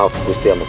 rayi gentring manik